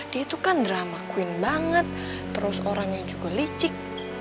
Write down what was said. dia tuh kan drama queen banget terus orangnya juga licik